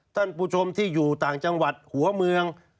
ท่านผู้ชมที่อยู่ต่างจังหวัดหัวเมือง